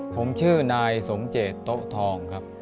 ผมชื่อนายสมเจตโต๊ะทองครับ